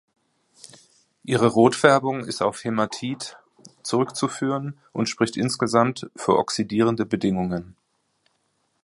Ihre Rotfärbung ist auf Hämatit zurückzuführen und spricht insgesamt für oxidierende Bedingungen.